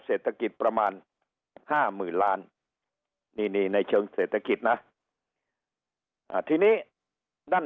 เศรษฐกิจประมาณ๕หมื่นล้านในเชิงเศรษฐกิจนะที่นี้ด้าน